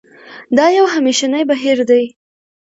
دا یو همېشنی بهیر دی.